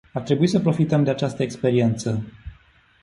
Ar trebui să profităm de această experiență.